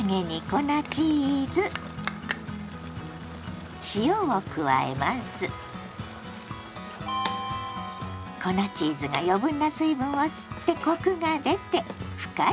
粉チーズが余分な水分を吸ってコクが出て深い味わいになるの。